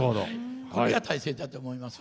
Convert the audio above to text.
これが大切だと思います。